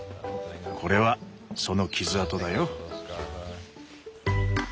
これはその傷痕だよ。